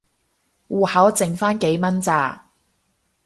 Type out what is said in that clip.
戶口剩番幾蚊咋